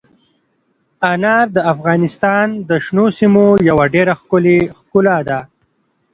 انار د افغانستان د شنو سیمو یوه ډېره ښکلې ښکلا ده.